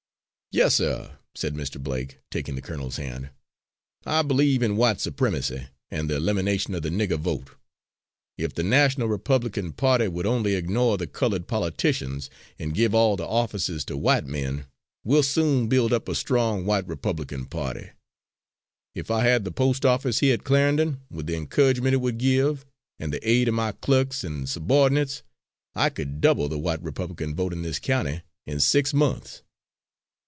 '" "Yes, sir," said Mr. Blake, taking the colonel's hand, "I believe in white supremacy, and the elimination of the nigger vote. If the National Republican Party would only ignore the coloured politicians, and give all the offices to white men, we'll soon build up a strong white Republican party. If I had the post office here at Clarendon, with the encouragement it would give, and the aid of my clerks and subo'dinates, I could double the white Republican vote in this county in six months."